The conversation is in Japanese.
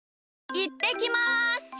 いってきます！